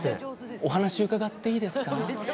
お話伺っていいですか？